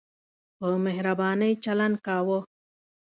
په مهربانۍ چلند کاوه.